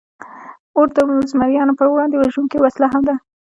اور د زمریانو پر وړاندې وژونکې وسله هم ده.